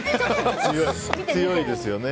強いですよね。